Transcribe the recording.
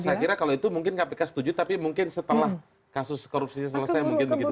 saya kira kalau itu mungkin kpk setuju tapi mungkin setelah kasus korupsi selesai mungkin begitu